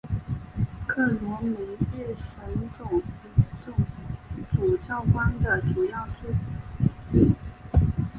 克罗梅日什总主教宫的主要驻地。